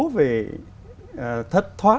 về thất thoát